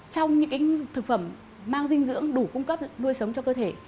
trong những thực phẩm mang dinh dưỡng đủ cung cấp nuôi sống cho cơ thể